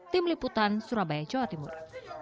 tim liputan surabaya jawa timur